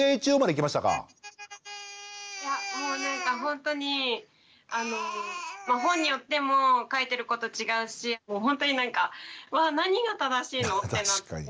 もうなんかほんとに本によっても書いてること違うしほんとになんかわあ何が正しいの？ってなって。